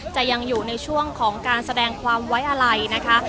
จะยังอยู่ในช่วงของการแสดงความไว้อะไรนะคะ